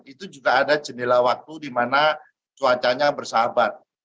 itu juga ada jendela waktu di mana cuacanya bersahabat